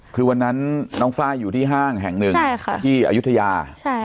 คือวันนั้นน้องฟ้ายอยู่ที่ห้างแห่งหนึ่งใช่ค่ะที่อายุธยาใช่ค่ะ